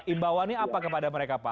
imbauannya apa kepada mereka pak